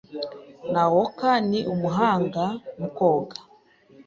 Naoko ni umuhanga mu koga.